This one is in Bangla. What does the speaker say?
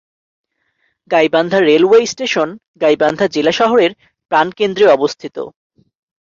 গাইবান্ধা রেলওয়ে স্টেশন গাইবান্ধা জেলা শহরের প্রাণকেন্দ্রে অবস্থিত।